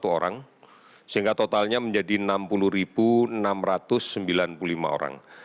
satu orang sehingga totalnya menjadi enam puluh enam ratus sembilan puluh lima orang